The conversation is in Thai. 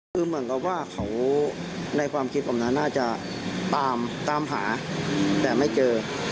คือเหมือนกับว่าเขาในความคิดผมนั้นน่าจะตามหาแต่ไม่เจอ